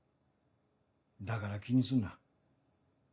だから気にすんな。